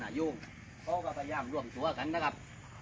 ยุ่งเขาก็พยายามร่วมตัวกันนะครับ